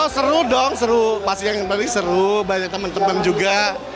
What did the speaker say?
seru dong seru pasti yang paling seru banyak teman teman juga